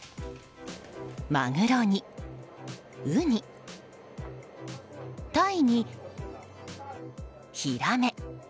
マグロにウニ、タイにヒラメ。